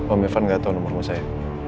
om irfan gak tau nomor rumah saya